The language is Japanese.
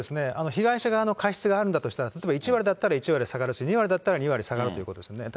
被害者側の過失があるんだとしたら、例えば１割だったら１割下がるし、２割だったら２割下がるということですね。